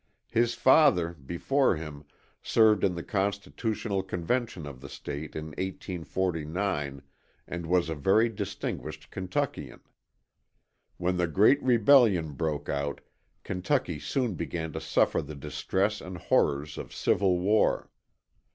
His father, before him, served in the constitutional convention of the State in 1849 and was a very distinguished Kentuckian. When the great rebellion broke out, Kentucky soon began to suffer the distress and horrors of civil war.